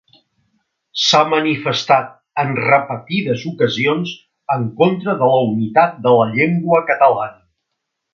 S'ha manifestat en repetides ocasions en contra de la unitat de la llengua catalana.